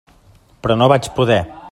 Però no vaig poder.